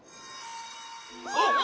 あっ！